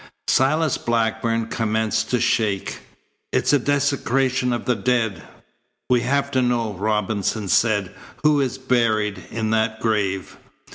Silas Blackburn commenced to shake. "It's a desecration of the dead." "We have to know," Robinson said, "who is buried in that grave."